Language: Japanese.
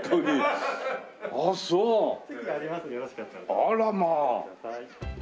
あらまあ。